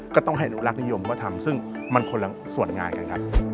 ก็ต้องให้อนุรักษ์นิยมก็ทำซึ่งมันคนละส่วนงานกันครับ